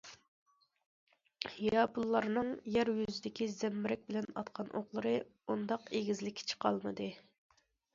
ياپونلارنىڭ يەر يۈزىدىكى زەمبىرەك بىلەن ئاتقان ئوقلىرى ئۇنداق ئېگىزلىككە چىقالمىدى.